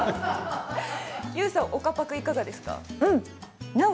ＹＯＵさん岡パクいかがですか。